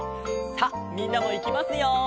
さあみんなもいきますよ！